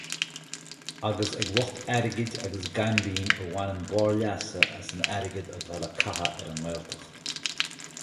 Agus ag lucht airgid agus gaimbín a bhaineann barr leasa as an airgead ata le caitheamh ar an nGaeltacht.